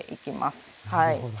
なるほど。